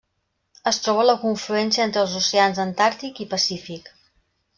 Es troba a la confluència entre els oceans Antàrtic i Pacífic.